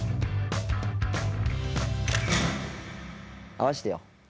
合わしてよ